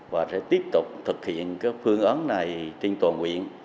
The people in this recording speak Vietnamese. và sẽ tiếp tục thực hiện phương ấn này trên toàn huyện